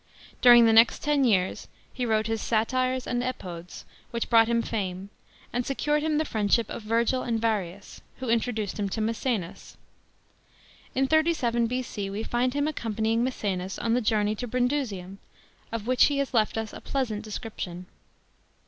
During t'ie i.jxt ten years he wrote hisSttires and Epodes, v/hich brought hinfame, and secured him the friendship of Virgil and Yariuc, vlio introduced him to Maecenas. In 37 B.C. we find him accompanying I.'secenas on the journey to Brundusium, of v/h'ch he Las left us r. pleasant descnption.